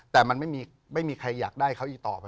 แต่มันไม่มีใครอยากได้เขาอีกต่อไป